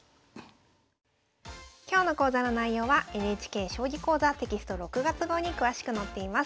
今日の講座の内容はＮＨＫ「将棋講座」テキスト６月号に詳しく載っています。